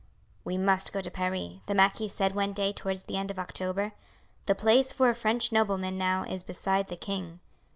"We must go to Paris," the marquis said one day towards the end of October. "The place for a French nobleman now is beside the king."